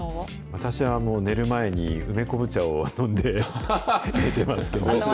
私は寝る前に、梅昆布茶を飲んで寝てますけど。